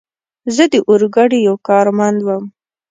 زه د اورګاډي یو کارمند ووم.